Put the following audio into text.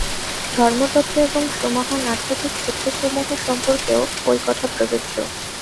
ধর্মতত্ত্ব এবং সুমহান আধ্যাত্মিক সত্যসমূহ সম্পর্কেও ঐ-কথা প্রযোজ্য।